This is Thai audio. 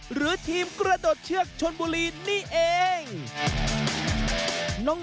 หรือทีมกระโดดเชือกชนบุรีนี่เอง